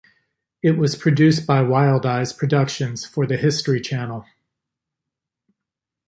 It was produced by Wild Eyes Productions for The History Channel.